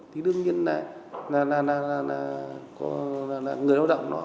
thì đương nhiên là người lao động nó